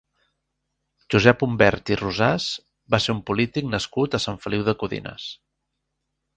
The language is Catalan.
Josep Umbert i Rosàs va ser un polític nascut a Sant Feliu de Codines.